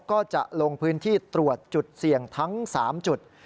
ก็จะลงพื้นที่ตรวจจุดเสี่ยงทั้ง๓จุด